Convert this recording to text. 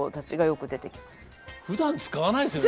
ふだん使わないですよね